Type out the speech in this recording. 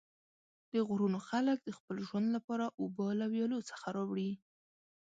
د غرونو خلک د خپل ژوند لپاره اوبه له ویالو څخه راوړي.